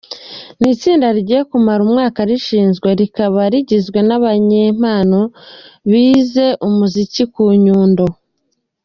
Ni itsinda rigiye kumara umwaka rishinzwe, rikaba rigizwe n’abanyempano bize umuziki ku Nyundo.